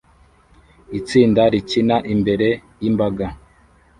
Itsinda rikina imbere yimbaga